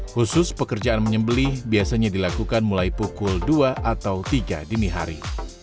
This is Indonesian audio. khusus pekerjaan menyembelih biasanya dilakukan mulai pukul dua atau tiga dini hari